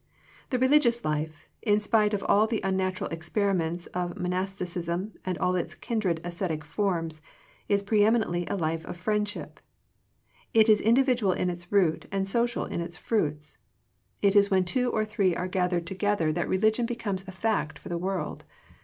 The religious life, in spite of all the un natural experiments of monasticism and all its kindred ascetic forms, is preemi nently a life of friendship. It is indi vidual in its root, and social in its fruits. It is when two or three are gathered to 70 Digitized by VjOOQIC THE FRUITS OF FRIENDSHIP gether that religion becomes a fact for the world.